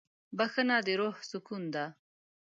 بښنه د روح سکون ده.